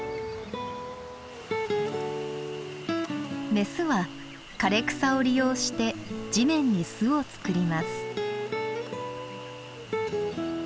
メスは枯れ草を利用して地面に巣を作ります。